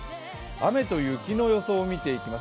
雨と雪の予想を見ていきます。